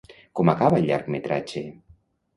Com acaba el llargmetratge?